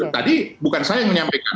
tadi bukan saya yang menyampaikan